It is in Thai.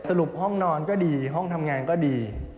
ห้องนอนก็ดีห้องทำงานก็ดี